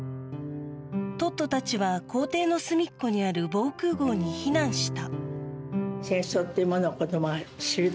トットたちは校庭の隅っこにある防空壕に避難した。